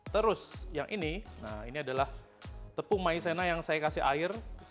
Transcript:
terus yang ini nah ini adalah tepung maizena yang saya kasih air